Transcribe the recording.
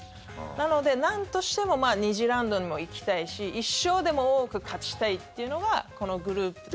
なので、なんとしても２次ラウンドにも行きたいし１勝でも多く勝ちたいってのがこのグループステージの。